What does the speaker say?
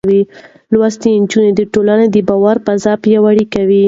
لوستې نجونې د ټولنې د باور فضا پياوړې کوي.